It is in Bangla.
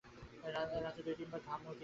রাত্রে দুই-তিন বার ঘুম ভাঙিয়া গেল।